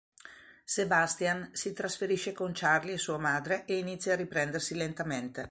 Sebastian si trasferisce con Charlie e sua madre e inizia a riprendersi lentamente.